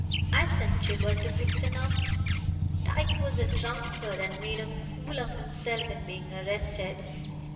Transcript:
I sent Gibber to fix him up. Tyke was a drunkard and made a fool of himself in being arrested.